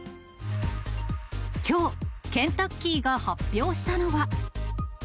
きょう、ケンタッキーが発表したのは。